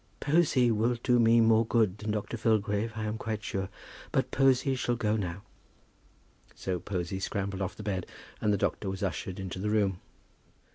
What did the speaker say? "Posy will do me more good than Dr. Filgrave I am quite sure; but Posy shall go now." So Posy scrambled off the bed, and the doctor was ushered into the room.